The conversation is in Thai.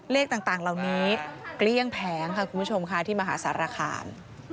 เลขต่างเหล่านี้เกลี้ยงแผงค่ะคุณผู้ชมค่ะที่มหาสารคาม